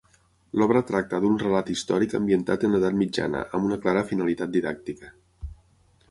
L'obra tracta d'un relat històric ambientat en l'edat mitjana, amb una clara finalitat didàctica.